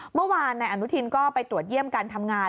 เมื่อวานนายอนุทินก็ไปตรวจเยี่ยมการทำงาน